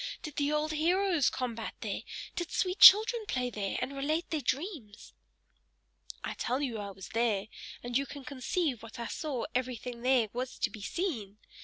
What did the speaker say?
Did the old heroes combat there? Did sweet children play there, and relate their dreams?" "I tell you I was there, and you can conceive that I saw everything there was to be seen.